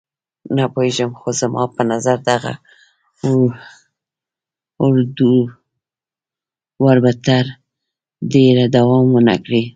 نه پوهېږم، خو زما په نظر دغه اړودوړ به تر ډېره دوام ونه کړي.